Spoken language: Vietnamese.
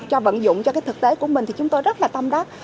cho vận dụng cho thực tế của mình chúng tôi rất tâm đắc